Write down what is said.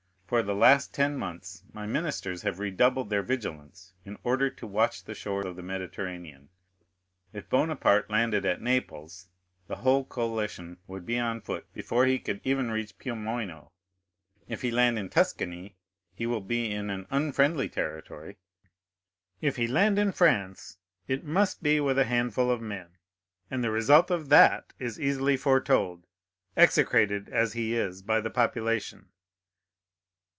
For the last ten months my ministers have redoubled their vigilance, in order to watch the shore of the Mediterranean. If Bonaparte landed at Naples, the whole coalition would be on foot before he could even reach Piombino; if he land in Tuscany, he will be in an unfriendly territory; if he land in France, it must be with a handful of men, and the result of that is easily foretold, execrated as he is by the population.